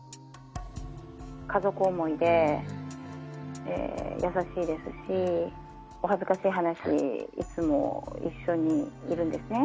家族思いで、優しいですし、お恥ずかしい話、いつも一緒にいるんですね。